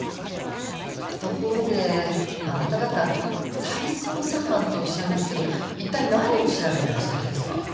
ところであなた方再捜査班とおっしゃいますけど一体何を調べてらっしゃるんです？